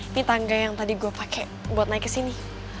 ini tangga yang tadi gue pakai buat naik ke sini